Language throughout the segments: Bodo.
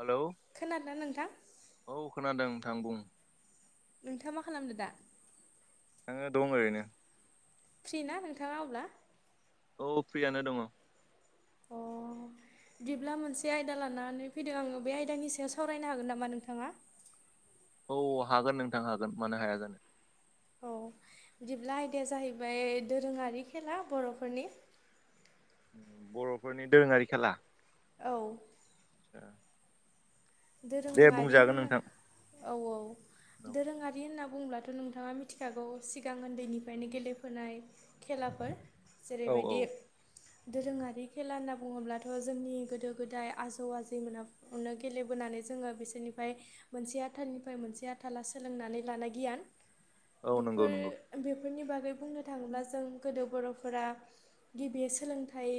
हेलौ खोनादो नोंथां? ओं बुं नोंथाङा मा खालामदो दा? आङो दं ओरैनो फ्रि ना नोंथाङा अब्ला? औ फ्रियानो दङ' अ बिदिब्ला मोनसे आयदा लानानै फैदों आङो बे आयदानि सायाव सावरायनो हागोन नामा नोंथाङा? [inaudible] औ हागोन नोंथां हागोन मानो हाया जानो। औ बिदिब्ला आयदाया जाहैबाय दोरोङारि खेला बर'फोरनि बर'फोरनि दोरोङारि खेला औ ओ दोरोङारि होनना औ औ दोरोङारि होनना बुंब्लाथ' नोंथाङा मिथिखागौ सिगां ओन्दैनिफ्रायनो गेलेफोनाय खेलाफोर औ औ जेरैबायदि दोरोङारि खेला होनना बुङोब्लाथ' जोंनि गोदो-गोदाय आजौ आजैमोना नो गेले बोनानै जोङो बिसोरनिफ्राय मोनसे आथालनिफ्राय मोनसे आथाला सोलोंनानै लानाय गियान औ नंगौ बेफोर नंगौ बे फोरनि बागै बुंनो थाङोब्ला जों गोदो बर'फोरा गिबि सोलोंथाइ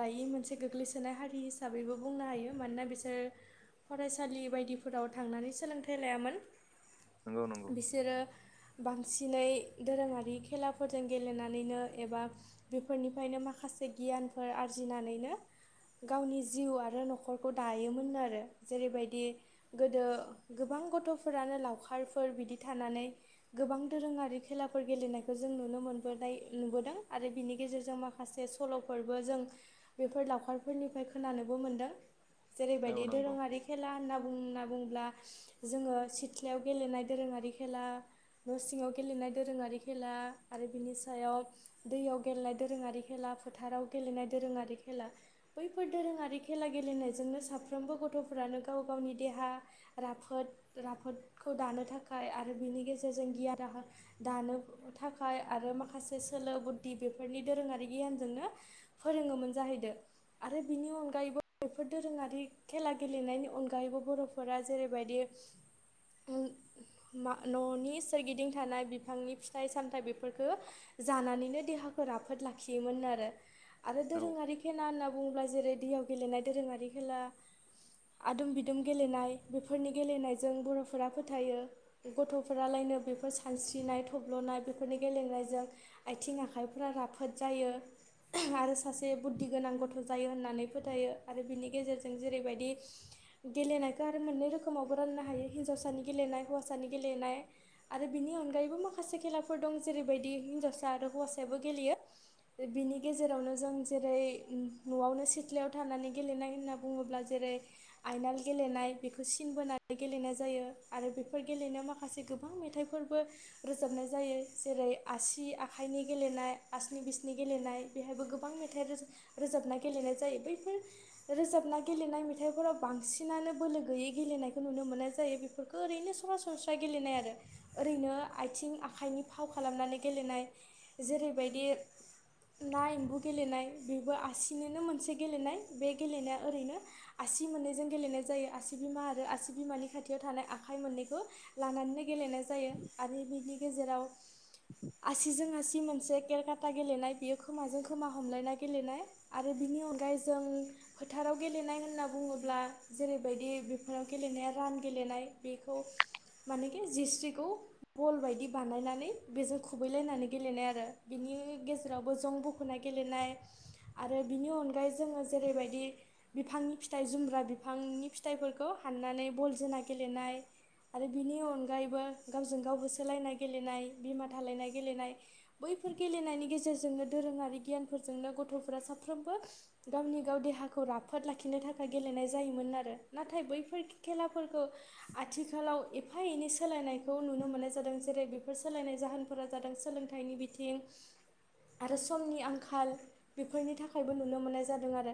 लायिमोन मोनसे गोग्लैसोनाय हारि हिसाबैबो बुंनो हायो मानोना बिसोर फरायसालि बायदिफोराव थांनानै सोलोंथाइ लायामोन नंगौ नंगौ बिसोरो बांसिनै दोरोङारि खेलाफोरजों गेलेनानैनो एबा बेफोरनिफ्रायनो मा खासे गियानफोर आरजिनानैनो गावनि जिउ आरो न'खरखौ दायोमोननो आरो जेरैबायदि गोदो गोबां गथ'फोरानो लावखारफोर बिदि थानानै गोबां दोरोङारि खेलाफोर गेलेनायखौ जों नुनो मोबोनाय नुबोदों आरो बिनि गेजेरजों माखासे सल'फोरबो जों बेफोर लावखारफोरनिफ्राय खोनानोबो मोनदों औ जेरैबायदि नंगौ दोरोङारि खेला होनना बुं होनना बुंङोब्ला जोङो सिथ्लायाव गेलेनाय दोरोङारि खेला। न सिङाव गेलेनाय दोरोङारि खेला आरो बिनि सायाव दैयाव गेलेनाय दोरोङारि खेला। फोथाराव गेलेनाय दोरोङारि खेला बैफोर दोरोङारि खेला गेलेनायजोंनो साफ्रोमबो गथ' फोरानो गाव गावनि देहा राफोद राफोदखौ दानो थाखाय आरो बेनि गेजेरजों गियाना [unintelligible] दानो थाखाय आरो माखासे सोलो बुद्धि बेफोरनि दोरोङारि गियानजों नो फोरोङोमोन जाहैदो आरो बिनि अनगायैबो बेफोर दोरोङारि खेला गेलेनायनि अनगायैबो बर'फोरा जेरैबायदि मा न'नि सोरगिदिं थानाय बिफांनि फिथाइ सामथाइ बेफोरखौ जानानैनो देहाखौ राफोद लाखियोमोन नो आरो आरो औ दोरोङारि खेला होनना बुङोब्ला जेरै दैयाव गेलेनाय दोरोङारि खेला। आदुम बिदुम गेलेनाय बेफोरनि गेलेनायजों बर'फोरा फोथायो गथ'फोरालायनो बेफोर सानस्रिनाय थब्ल'नाय बेफोरनि गेलेनायजों आथिं आखाइफोरा राफोद जायो। ओ आरो सासे बुद्धि गोनां गथ' जायो होननानै फोथायो आरो बिनि गेजेरजों जेरैबायदि गेलेनायखौ आरो मोननै रोखोमावबो राननो हायो हिन्जावसानि गेलेनाय हौवासानि गेलेनाय। आरो बिनि अनगायैबो माखासे खेलाफोर दं जेरैबायदि हिनजावसा आरो हौवासायाबो गेलेयो। बिनि गेजेरावनो जों जेरै न'आवनो सिथ्लायाव थानानै गेलेनाय होनना बुङोब्ला जेरै आयनाल गेलेनाय बेखौ सिन बोनानै गेलेनाय जायो आरो बेफोर गेलेनायाव माखासे गोबां मेथाइफोरबो रोजाबनाय जायो जेरै आसि आखाइनि गेलेनाय आसनि बिसनि गेलेनाय। नाय बेहायबो गोबां मेथाइ रो रोजाबना गेलेनाय जायो बैफोर रोजाबना गेलेनाय मे फोराव बांसिनानो बोलो गैयै गेलेनायखौ नुनो मोननाय जायो बेफोरखौ ओरैनो सरासनस्रा गेलेनाय आरो ओरैनो आथिं आखाइनि फाव खालामनानै गेलेनाय जेरै बायदि ना एम्बु गेलेनाय बेबो आसिनिनो मोनसे गेलेनाय बे गेलेनाया ओरैनो आसि मोननैजों गेलेनाय जायो आसि बिमा आरो आसि बिमानि खाथियाव थानाय आखाइ मोननैखौ लानानैनो गेले नाय जायो आरो बिनि गेजेराव आसिजों आसि मोनसे केलकाता गेलेनाय बियो खोमाजों खोमा हमलायना गेलेनाय आरो बि नि अनगायै जों फोथाराव गेलेनाय होनना बुङोब्ला जेरैबायदि बेफोराव गेलेनाया रान गेलेनाय बेखौ मानेखि जिस्रिखौ बल बायदि बानायनानै बेजों खुबैलायनानै गेलेनाय आरो बिनि गेजेरावबो जं बुखु नाय गेलेनाय आरो बिनि अनगायैबो जेरै बायदि बिफांनि फि थाइ जुमब्रा बिफांनि फिथाइफोरखौ हाननानै बल जोना गेलेनाय आरो बिनि अनगायैबो गावजों गाव होसोलायनाय गेलेनाय बिमा थालायनाय गेलेनाय बै फोर गेलेनायनि गेजेरजोंनो दोरोङारि गियानफोरजोंनो गथ'फोरा साफ्रोमबो गावनि गाव देहाखौ खौ राफोद लाखिनो थाखाय गेलेनाय जायोमोन आरो नाथाय बैफोर खेलाफोरखौ आथिखालाव एफा एनै सोलाय बोनायखौ नुनो मोननाय जादों जेरै बेफोर सोलायनाय जाहोनफोरा जादों सोलोंथाइनि बिथिं आरो समनि आंखाल बेफोरनि थाखायबो नुनो मोननाय जादों आरो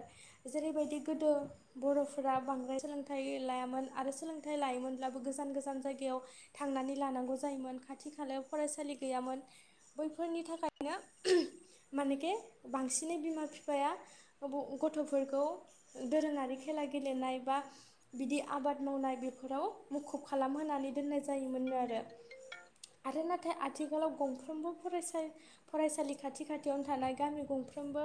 जेरैबायदि गोदो बर'फोरा बांद्राय सोलोंथाइ लायामोन आरो सोलोंथाइ लायोमोनब्लाबो गोजान गोजान जायगायाव थांनानै लानांगौ जायोमोन खाथि खालायाव फरायसालि गैयामोन बैफोरनि थाखायनो माने खे बांसिनै बिमा बिफाया गथ'फोरखौ दोरोङारि खेला गेलेनाय बा बिदि आबाद मावनाय बेफोराव मुखुब खालामहोनानै दोननाय जायोमोन। नो आरो आरो नाथाय आथिखालाव गंफ्रोमबो फरायसा फरायसालि खाथि खाथियावनो थानाय गामि गं फ्रोमबो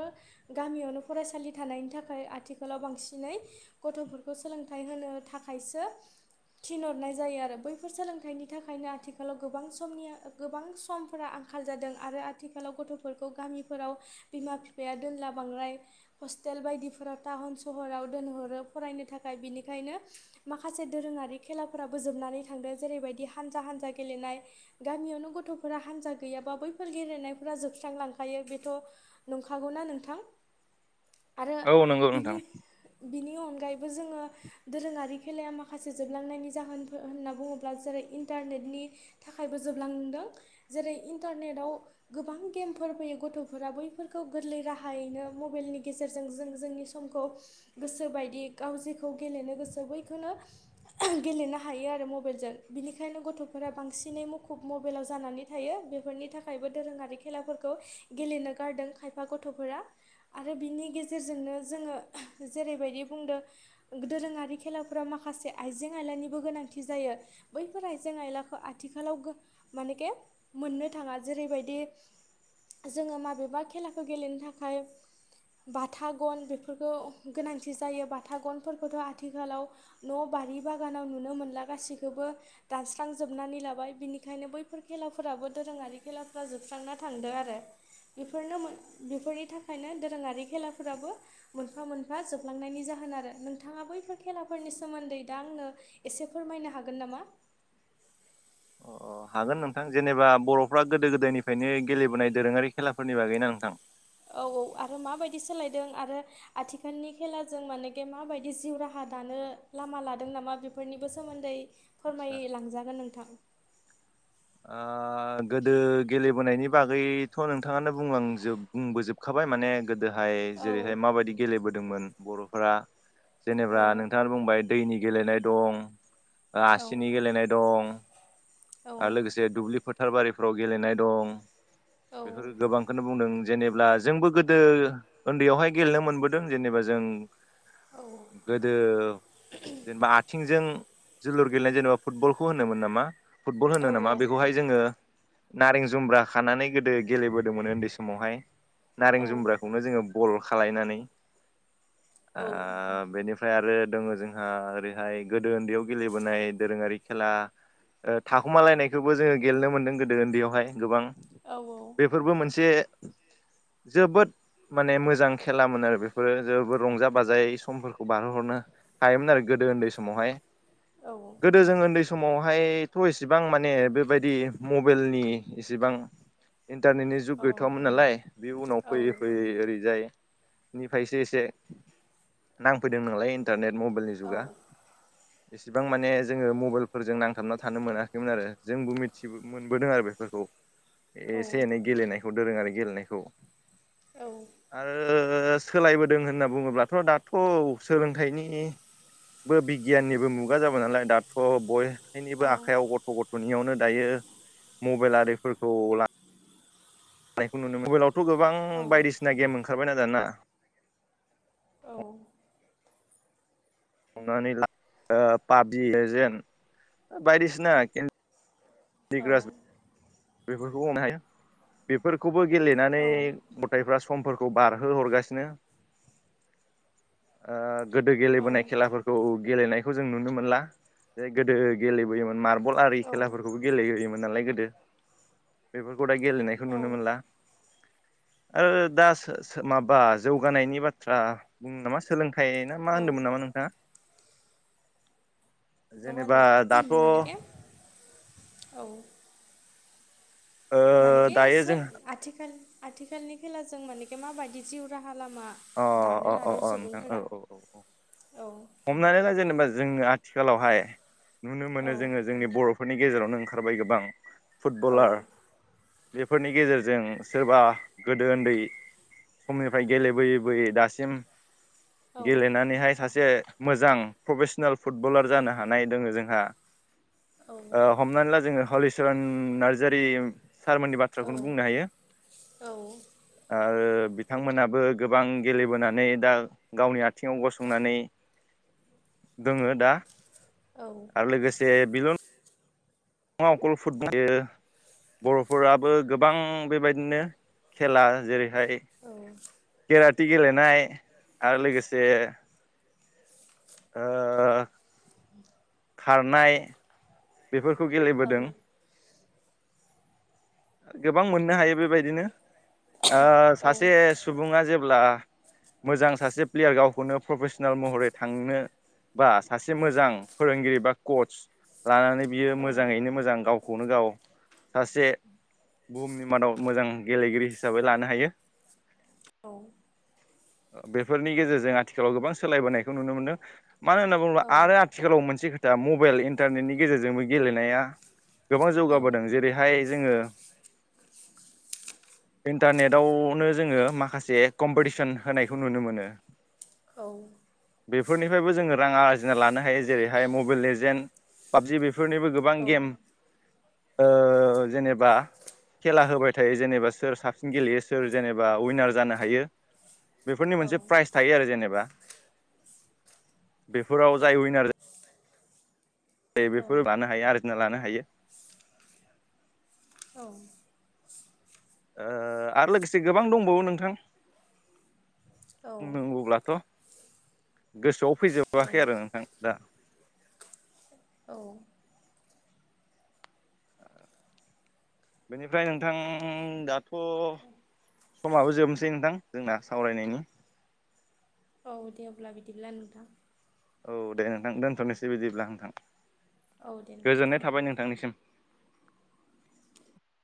गामियावनो फरायसालि थानायनि थाखाय आथिखालाव बांसिनै गथ'फोरखौ सोलोंथाइ होनो थाखायसो थिनहरनाय जायो आरो बैफोर सोलोंथाइनि थाखायनो आथिखालाव गोबां समनि गोबां समफोरा आं खाल जादों आरो आथिखालाव गथ'फोरखौ गामिफोराव बिमा बिफाया दोनला बांद्राय हटेल बायदिफोरााव टाउन सहराव दोनहर फरायनो थाखाय बिनिखायनो माखासे दोरोङारि खेलाफोराबो जोबनानै थांदों जेरैबायदि हान जा हान्जा गेलेनाय गामियावनो गथ'फोरा हान्जा गैयाबा बैफोर गेलेनायफोरा जोबस्रांलांखायो बेथ' नंखागौना नोंथां आरो औ नंगौ बिनि नोंथां। बिनि अनगायैबो जोङो दोरोङारि खेलाया माखासे जोबलांनायनि जाहोन होनना बुङोब्ला जेरै इन्टारनेटनि थाखायबो जोबलांदों जेरै इन्टारनेटाव गोबां गेमफोर फैयो बेनि गथ'फोरा बैफोरखौ गोरलै राहायैनो मबाइलनि गेजेरजों जों जोंनि समखौ गोसोबायदि गाव जेखौ गेलेनो गोसो बैखौनो गेलेनो हायो आरो मबाइलजों बिनिखायनो गथ'फोरा बांसिनै मुखुब मबाइलाव जानानै थायो। बेफोरनि थाखायबो दोरोङारि खेलाफोरखौ गेलेनो गारदों खायफा गथ'फोरा। आरो बिनि गेजेरजोंनो जोङो जेरैबायदि बुंदों दोरोङारि खेलाफोरााव माखासे आइजें आयलानिबो गोनांथि जायो। बैफोर आइजें आयलाखौ आथिखालाव मानेखे मोननो थाङा जेरैबायदि जोङो माबेबा खेलाखौ गेलेनो थाखाय बाथा गन बेफोरखौ गोनांथि जायो बाथा गनफोरखौथ' आथिखालाव न' बारि बागानाव नुनो मोनला गासिखौबो दानस्रांजोबनानै लाबाय बिनिखायनो बैफोर खेलाफोराबो दोरोङारि खेलाफोरा जोबस्रांना थां नो आरो बेफोरनो बेफोरनि थाखायनो दोरोङारि खेलाफोराबो मोनफा मोन फा जोबलांनायनि जाहोन आरो नोंथाङा बैफोर खेलाफोरनि सोमोन्दै दा आंनो एसे फोरमायनो हागोन ना मा? अ हागोन नोंथां जेनेबा बर'फ्रा गोदो गोदायनिफ्रायनो गेलेबोनाय दोरोङारि खेलाफोरनि बागैना नोंथां? औ औ आरो माबायदि सोलायदों आरो आथिखालनि खेलाजों मानेके माबायदि जिउ राहा दानो लामा लादों नामा बेफोरनिबो सोमोन्दै आतसा फोरमायलांजागोन नोंथां। ओ गोदो गेलेबोनायनि बागैथ' नोंथाङानो बुंलांजोब बुंबोजोबखा बाय माने गोदोहाय औ जेरैहाय माबायदि गेलेबोदोंमोन बर'फोरा औ जेनेबा नोंथाङा बुंबाय दैनि गेलेनाय दं औ आसिनि गेलेनाय दं। औ आरो लोगोसे दुब्लि फोथार बारिफोराव गेलेनाय दं औ बेफोर गोबांखौनो बुंदों। जेनेबा जोंबो गोदो उन्दैयावहाय गेलेनो मोनबोदों जेनेबा जों औ गोदो जेनेबा आथिंजों जोलुर गेलेनाय जेनेबा फुटबलखौ होनोमोन नामा फुटबल औ होनो नामा बेखौहाय जोङो नारें जुम्ब्रा खानानै गोदो गेलेबोदोंमोन उन्दै समावहाय नारें औ जुम्ब्राखौनो जोङो बल खालायनानै ओ बेनि फ्राय आरो दङ जोंहा ओरैहाय गोदो उन्दैयाव गेलेबोनाय दोरोङारि खेला थाखुमालायनायखौबो जोङो गेलेनो मोनदों गोदो उन्दैयावहाय गोबां औ बेफोरबो मोनसे [unintelligible] जोबोद माने मोजां खेेलामोन आरो बेफोरो जेबो रंजा बाजायै समफोरखौ बारहोहरनो हायोमोन आरो गोदो उन्दै समावहाय गोदो जों उन्दै समावहाय थ' इसेबां माने बेबायदि मबाइलनि इसेबां इन्टारनेटनि जुग गैथ'मोन नालाय बे उनाव फैयै फैयै ओरैजाय निफ्रायसो एसे नांफैदों नालाय इन्टारनेट मबाइलनि जुगा इसेबां माने जोङो मबाइलफोरजों नांथाबना थानो मोनाखैमोन आरो जोंबो मिथि मोनबोदों आरो बेफोरखौ एसे एनै औ गेलेनाय खौ दोरोङारि गेलेनायखौ औ सोलायबोदों होनना बुङोब्लाथ' दाथ' सोलोंथाइनि बो बिगियाननिबो मुगा जाबाय नालाय दाथ' बय आखाइनिबो आखाइयाव गथ' गथ'नियावनो दायो मबाइल आरिफोरखौ ला नायखौ नुनो मबाइलावथ' गोबां बायदिसिना गेम ओंखारबायना दाना औ संनानै ला ओ पाबजि लेजेन्ट बायदिसिना औ बेफोरखौनो हायो बेफोरखौबो गेलेनानै गथायफ्रा समफोरखौ बारहोहरगासिनो ओ गोदो गेलेबोनाय खेलाफोरखौ गेलेनायखौ जों नुनो मोनला जे गोदो गेलेबोयोमोन मार बल आरि खेलाफोरखौबो गेलेहोयोमोन नालाय गोदो बे दा गेलेनायखौ औ नुनो मोनला आरो दा सो सो माबा जौगानायनि बाथ्रा बुंङो नामा सोलोंथा थाखाय ना मा औ होन्दोंमोन नामा नोंथाङा नङा जेनेबा नङा दाथ' मानेके औ मानेके दायो सो जों आथिखाल आथिखालनि खेला जों मानेे माबायदि जिउ राहा लामा अ दानो अ अ लादों अ नोंथां सुबुंफोरा औ औ औ हमनानैला जेनेबा जों जोंनो आथिखालावहाय नुनो औ मोनो जोङो जोंनि बर'फोरनि गेजेरावनो ओंखारबाय गोबां औ फुटबलार बेफोरनि गेजेरजों सोरबा गोदो ओन्दै समनिफ्राय गेलेबोयो। गुबैयै दासिम औ गेलेनानैहाय सासे मोजां प्रफेसनेल फुटबलार जानो हानाय दोङो जोंहा औ ओ हमनानै ला जोङो हलिचरन नार्जारि सारमोननि बाथ्राखौनो बुंनो हायो औ औ आरो ओ बिथांमोनाबो गोबां गेलेबोनानै दा गावनि आथिङाव गसंनानै दोङो दा औ आरो लोगोसे बिल' नङा अकल फुटबेयो बर'फोराबो गोबां बेबायदिनो खेला जेरै हाय औ औ केराति गेलेनाय आरो लोगोसे ओ [inaudible] खारनाय बेफोरखौ औ गेलेबोदों। गोबां मोननो हायो बेबायदिनो ओ सासे सुबुङा जेब्ला मोजां सासे प्लेयार गावखौनो प्रफेसनेल महरै थांनो बा सासे मोजां फोरोंगिरि बा कच लानानै बियो मोजाङैनो मोजां गावखौनो गाव सासे बुहुमनि मादाव मोजां गेलेगिरि हिसाबै लानो हायो। औ बेफोरनि गेजेरजों आथिखालाव गोबां सोलायबोनायखौ नुनो मोनदों। मानो होनना बुङोब्ला आरो आथिखालाव मोनसे खोथा मबाइल इन्टारनेटनि गेजेरजोंबो गेलेनाया गोबां औ जौगाबोदों जेरैहाय जोङो [inaudible] इन्टारनेटावनो जोङो माखासे कम्पिटिसन होनायखौ नुनो मोनो। औ बेफोरनिफ्रायबो जोङो रां आरजिना लानो हायो जेरैहाय मबाइल लेजेन पाबजिबेफोर बेफोरनिबो गोबां गेम ओ जेनेबा खेला होबाय थायो जेनेबा सोर साबसिन गेलेयो सोर जेनेबा उइनार जानो हायो। बेफोरनि मोनसे प्राइज थायो आरो जेनेबा बेफोराव जाय उइनार यो बेफोर लानो हायो आरजिना लानो हायो। औ ओ आरो लोगोसे गोबां दंबावो नोंथां। बुंनांगौब्लाथ' गोसोआव फैजोबाखै आरो नोंथां दा औ बेनिफ्राय नोंथां दा [unintelligible] समाबो जोबनोसै नोंथां जोंना सावरायनायनि औ दे अब्ला बिदिब्ला नोंथां। औ दे नोंथां दोनथ'नोसै बिदिब्ला नोंथां औ दे नोंथां गोजोननाय थाबाय नोंथांनिसिम।